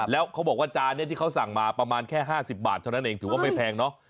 แล้วเขาบอกว่าจานนี้ที่เขาสั่งมาประมาณแค่๕๐บาทเท่านั้นเองถือว่าไม่แพงเนาะ